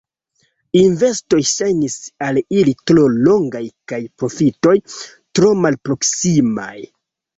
Investoj ŝajnis al ili tro longaj kaj profitoj tro malproksimaj.